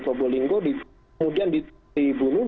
pobolinggo kemudian dibunuh